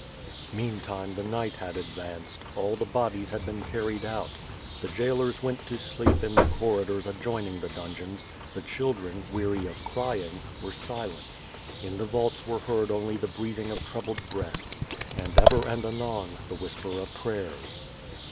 Meantime the night had advanced; all the bodies had been carried out. The jailers went to sleep in the corridors ad joining the dungtHjns; the children, weary of crying, were si lent; in the vaults were heard only the breathing of troubled breasts, and ever and anon, the whisper of prayers.